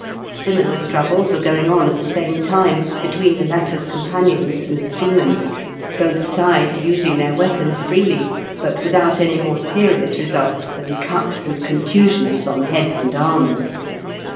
Similar struggles were going on at the same time between the latter's companions and the sea men, both sides using their weapons freely, but without any more serious results than cuts and contusions on heads and arms.